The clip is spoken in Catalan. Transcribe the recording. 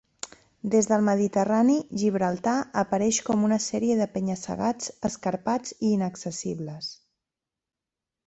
Des del Mediterrani, Gibraltar apareix com una sèrie de penya-segats escarpats i inaccessibles.